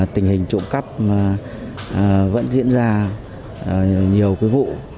tình hình trộm cắp vẫn diễn ra nhiều vụ